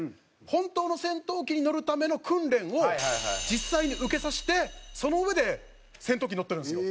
本当の戦闘機に乗るための訓練を実際に受けさせてそのうえで戦闘機に乗ってるんですよ。